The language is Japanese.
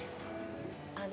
あの。